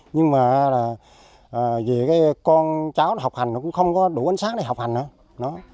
nhưng mà về con cháu học hành nó cũng không có đủ ánh sáng để học hành nữa